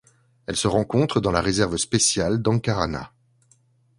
Elle se rencontre dans la réserve spéciale d'Ankarana.